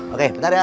oke bentar ya